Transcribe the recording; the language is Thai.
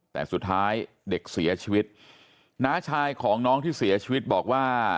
แต่สุดท้ายเด็กเสียชีวิตน้าชายของน้องที่เสียชีวิตบอกว่า